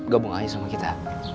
gabung aja semua kita